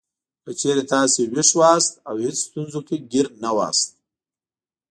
که چېرې تاسو وېښ وئ او هېڅ ستونزو کې ګېر نه وئ.